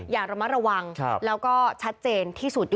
อย่างระมัดระวังแล้วก็ชัดเจนที่สูตรยุติธรรมที่สูตร